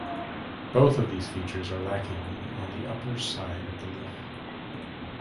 Both of these features are lacking on the upper side of the leaf.